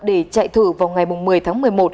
để chạy thử vào ngày một mươi tháng một mươi một